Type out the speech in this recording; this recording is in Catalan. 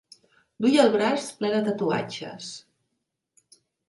Duia el braç ple de tatuatges.